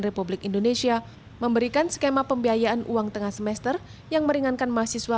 republik indonesia memberikan skema pembiayaan uang tengah semester yang meringankan mahasiswa